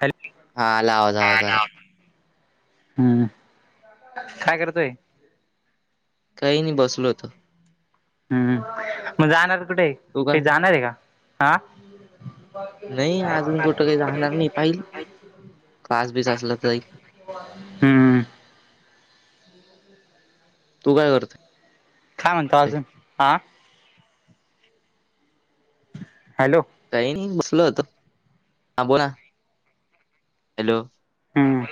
Hello हा आला आवाज आवाज आला. हम्म काय करतोय. काही नाही बसलो होतो. हम्म मग जाणार कुठे तू काय? काही जाणार आहे का हा नाही अजून कुठं काही जाणार नाही. पाहील क्लास बीस [unintelligible] असला तर जाईल. हम्म. तू काय करते. काय म्हणतो अजून हा. हॅलो. काही नाही घसल होत हा बोला हॅलो हम्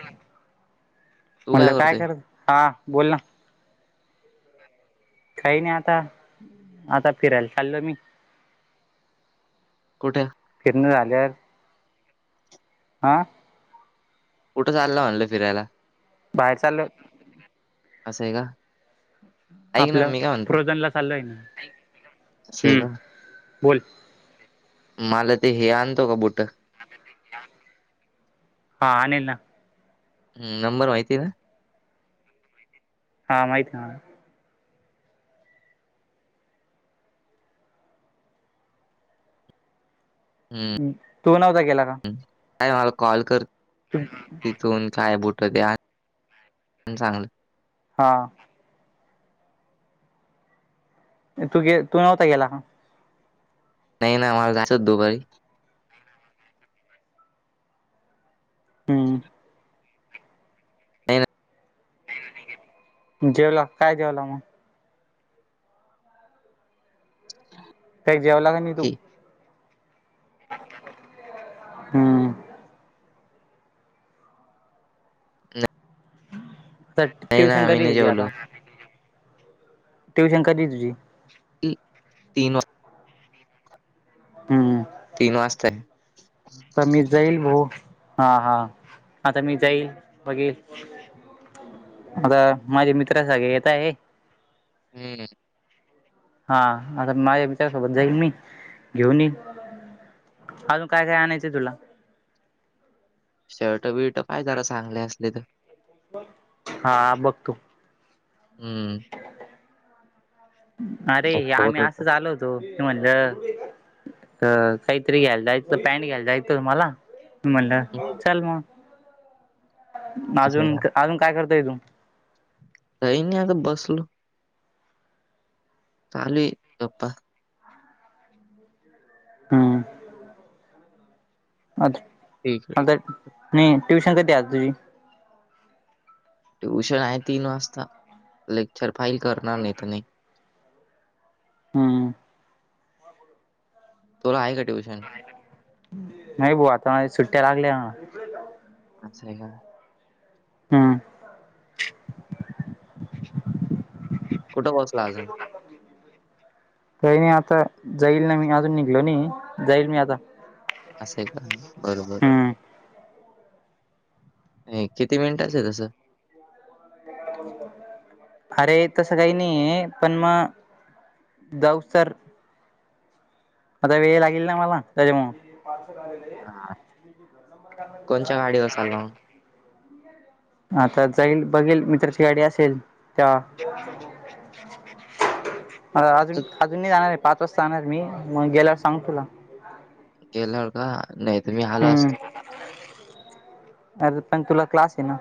तू म्हटलं काय करतोय? करत हा बोल ना. काही नाही आता आता फिरायला चाललो मी कुठे. केना झाल्यार आा कुठं चाललं म्हणलं फिरायला बाहेर चाललं असं आहे का ऐक ना आपलं मी काय म्हणतो, प्रोझन ला चाललं आहे ना असं आहे हम्म का बोल मला ते हे आणतो का बुट हा निल ना हम् नंबर माहिती ना हा माहिितती आहे ना हं, तू नव्हता गेला का हं. काय मला कॉल कर तिथून काय बुट द्या प चांगलं हा तू गे तू नव्हता गेला नाही नाही आमला गाचच दोपारी हम्म नाही नाही जेवला काय जेवला मग का जेवला का नाही की तू हम्म ह ट्युशन कधी नाही तुझी जेवलो. आता ट्युशन कधी तुझी तीन वा हम्म वाजता आहे. तर मी जाईल भाऊ हा हा आता मी जाईल बघे आता माझे मित्रा सगळे येत आहे हम्म हा आता माझ्या विचारसोबत जाईन मी घेऊन येईन अजून काय काय आणायचं तुला शर्ट बीट पाहि जरा चांगले असले तर हा बघतो हम्म अरे नाही सोबत आम्ही होतं असं आलो होतो त म्हणलं अ काहीतरी घ्यायला जायचं पॅन्ट घ्यायला जायचं तुम्हाला म्हणलं हम्म, चल मग असं आहे अजून का? अजून काय करतोय तू काही नाही आता बसलो चालू आहेेत गप्पा हम्म अ ठीक आहे आता म ट्युशन कधी आहे तुझी ट्युशन आहे तीन वाजता लेक्चर फाईल करणार नाही तर नाही हम्म तुला आहे का ट्युशन नाही बो आता सुट्ट्या लागल्या ह ह स का हम्म कुठं पोचला अजून काही नाही आता जाईल ना मी अजून निघलो नाही जाईल मी आता असं आहे का बरोबर हम्म किती मिनिटच आहे तसं हो अरे तसं काही नाही आहे पण मग जाऊसर आता वेळ लागेल ना मला त्याच्यामु हा. चला हाता जाईल बघेल मित्राची गाडी असेल त्या अजून तू अजून जाणार आहे पाच वाजता जाणार मी मग गेल्यावर सांग तुला ह गेल्यावर का नाही तु मी आलो असतो अरे पण तुला क्लास आहे ना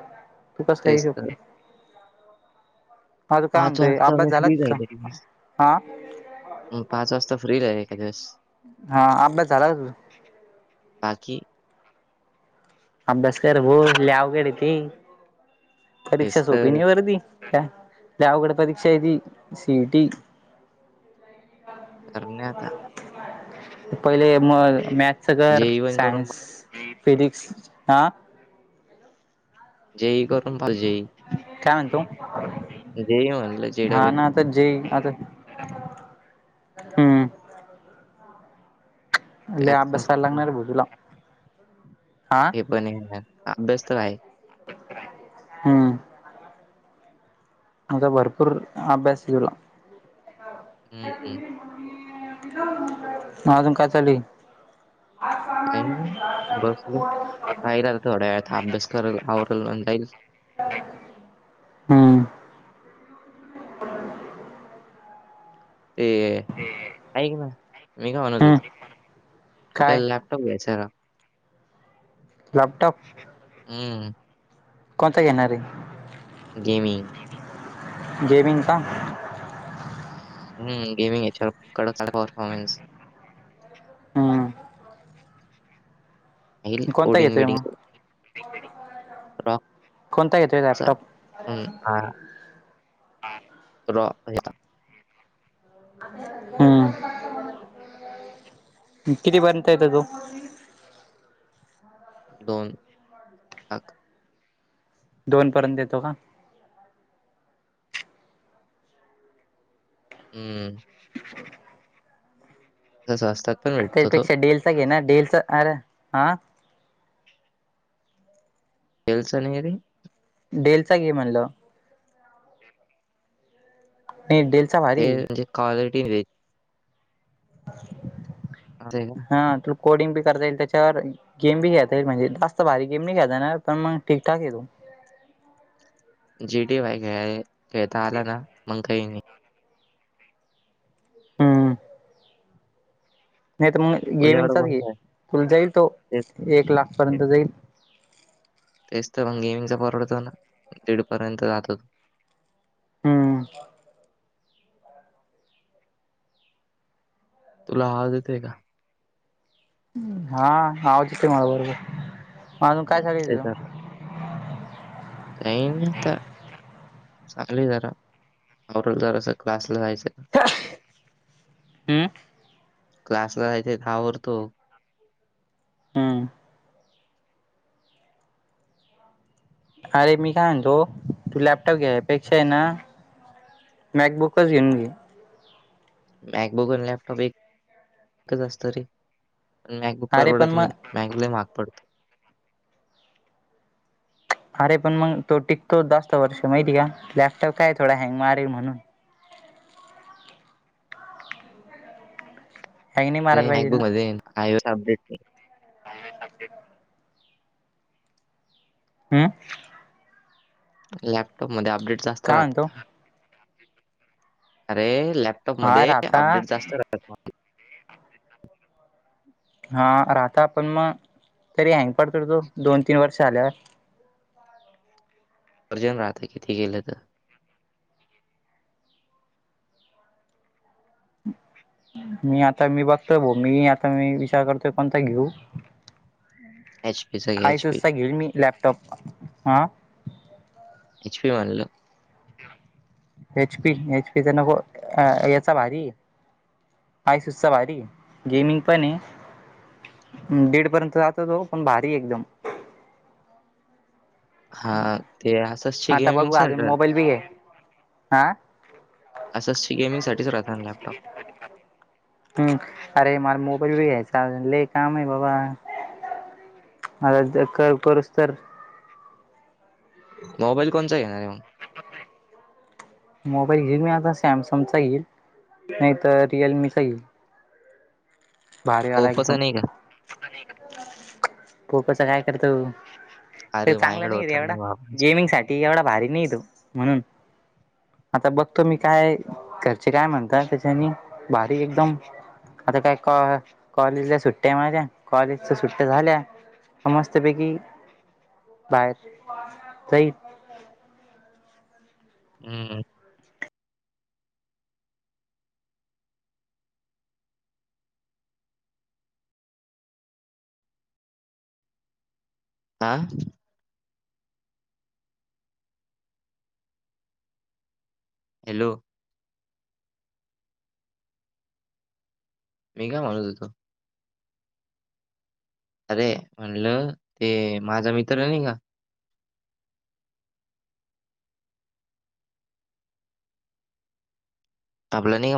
तू कस काही तेच तर शकते पाच वाजता फ्री का तुझा राले हा म पाच वाजता फ्री र एका दिवस हा अभ्यास झालाच त बाकी अंब्यासकर भा लवगडे ते तेच परीक्षा सोपी तर नाही वरती का दवकड परीक्षा ह सिटी करणे आता पहिले म मॅथच घर जेवण करून सायन्स फिजिक्स हा जई करून पा जई काय म्हणतो ज आ जेडबली तर जे आता हम्म अ त्यात कसं अभ्यासालार बुजला हे पण अभ्यासत आहे हम्म आता भरपूर अभ्यासिकला हं, हं. हजुम काय चाली काही बस पाहिला थोड्या वळ अभ्यास कराला आल म्हण जाईल ह् हम्म ते ऐक ना मी का म्हणत हम्म होतो आपल्या काय लॅप ्याचार लॅपटॉप हा कोणता घ येणार र गेमिंग गेमिंग का हम्म गेमिंगच्या प पर्फॉमेनस हम्म कोणता कोडिंग घेतोय मिडिंग मग कोणता घेतोय लॅपटॉप हम् हा र यात हम्म कितीपर्यंत येत तू दोन हख दोन पर्यंत येतो का हम्म तसं असतात पण भेटतो तो. त्यापेक्षा डीललच घे ना डडेलच अरे हा केल्सनी घरी डेल चा गेम आणलं नाही डेल ते म्हे क्वालिटी व [inaudible] अ का हा तुला कोडिंग बी करता येईल त्याच्यावर गेम बी खेता येईल म्हणजेस्त भारी गेमी खेळताय ना पण मग ठकठाक येतो जीटी वाय खे खेळता आला ना मग काही नाही हम्म नाही तर मग तुझ्याकडे गेमिंगचाच घे कोणता आहे? तुला जाईल तो तेच एक लाख पर्यंत जाईल तेच तर मग गेमिंगचा परडत ना दीड पर्यंत जात होतो हम्म तुला हवा देते का हा आवाचित मला बरोबर मग अजून काय हं झाग तं काहीनता चाले जराल जरा अस क्लासला जायचं हम क्लासला जायच ावरतो हम्म अरे मी काय सांगतो तू लॅपटॉप घ्यायपेक्षा आहे ना मॅकबुकच घेऊन घे मॅकबुक आणि लॅपटॉप एक एकच असत रे प मॅकबुक अरे पण परवडत मग नाही बँगले माग पडतो अरे पण मग तो टिकतो जास्त वर्ष माहिती का लॅपटॉप काय थोडा हँग मारेल म्हणून हँग नाही मारायला अरे पाहिजे ना नाकबुक मध्ये अपडेट आणि स हम्म लॅपटॉपमध्येध्ये अपडेट जास्त काय राहत म्हणतो अरे लॅपटॉप हा मध्ये राहता अपडेट जास्त राहत हा राहता आपण मग तरी हँग पडतो तो दोन तीन वर्ष झाल्यावर वर्जन राहतं किती केलं तर मी आता मी बघतोय ब मी आता मी विचार करतोय कोणता घेऊ एच पी स आही सुसता घेईन मी लॅपटॉप हा हच प मनल एच पी एच पी नको याचा भारी आय सुस्तवारी गेमिंग पण आहे दीड पर्यंत जात तो पण भारी एकदम हा ते असंचची गेमिंग चा वी आहे हा असंच गेमिंगसाठीठीच राह खध ख हम् अरे मला मोबाईल ब घ्यायचा काम आहे बाबा आता कर करस तर मोबाईल कोणता घेणार आहे म्हण [inaudible] मोबाईल घेईल मी आता सॅमसंगचा येईल नाही तरर रिअलमीचा येईल भारीवाला एकदम नाही का? पोकोच काय करतो अरे चांगलं माझ्याकडे नाही रे होता ना एवढा मी वापरायचा. गेमिंगसाठी ती एवढा भारी नाही तो म्हणून आता बघतो मी काय घरचे काय म्हणत त्याच्यानी बारीक एकदम आता काय क कॉलेजला सुट्ट्या म्हणझ्या कॉलेज सुट्ट्या झाल्या समस्तपैकी बाहेर तेई हम्म आ. हॅलो. मी काय म्हणूस होेतो. अरे म्हणलं ते माझा मित्र आहे नाही का. आपल्या.